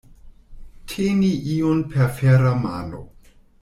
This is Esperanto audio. Teni iun per fera mano.